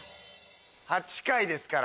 ８回ですから。